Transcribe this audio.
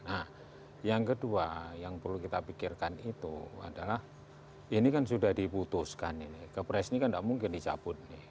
nah yang kedua yang perlu kita pikirkan itu adalah ini kan sudah diputuskan ini kepres ini kan tidak mungkin dicabut nih